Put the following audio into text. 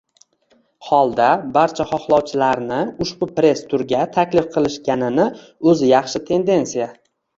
holda, barcha hohlovchilarni ushbu press turga taklif qilishganini oʻzi yaxshi tendensiya.